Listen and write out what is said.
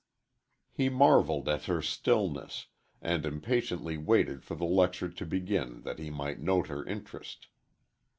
He marveled at her stillness, and impatiently waited for the lecture to begin that he might note her interest.